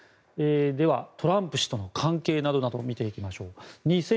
では、トランプ氏との関係などを見てきましょう。